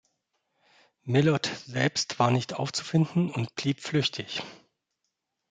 Millot selbst war nicht aufzufinden und blieb flüchtig.